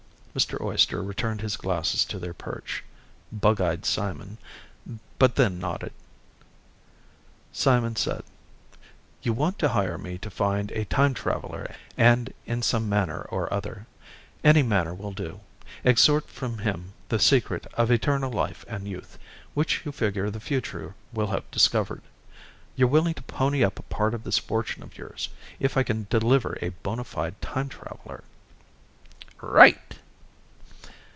Mr. Oyster returned his glasses to their perch, bug eyed Simon, but then nodded. Simon said, "You want to hire me to find a time traveler and in some manner or other any manner will do exhort from him the secret of eternal life and youth, which you figure the future will have discovered. You're willing to pony up a part of this fortune of yours, if I can deliver a bona fide time traveler." "Right!"